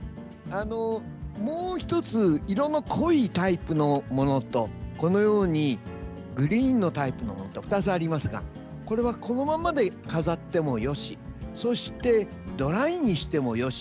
もう１つ色の濃いタイプのものとグリーンのタイプのものと２つありますがこれはこのままで飾ってもよしそして、ドライにしてもよし。